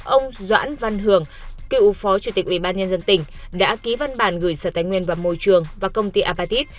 ông doãn văn hường cựu phó chủ tịch ủy ban nhân dân tỉnh đã ký văn bản gửi sở tài nguyên vào môi trường và công ty apatit